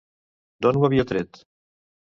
D'on ho havia tret?